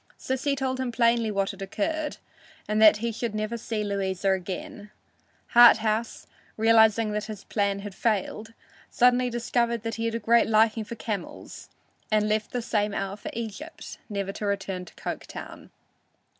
Sissy told him plainly what had occurred, and that he should never see Louisa again. Harthouse, realizing that his plan had failed, suddenly discovered that he had a great liking for camels, and left the same hour for Egypt, never to return to Coketown.